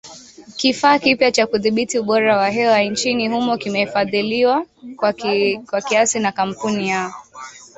Kifaa kipya cha kudhibiti ubora wa hewa nchini humo kimefadhiliwa kwa kiasi na kampuni ya